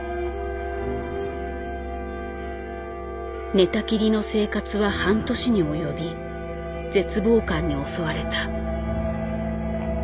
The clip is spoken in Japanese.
寝たきりの生活は半年におよび絶望感に襲われた。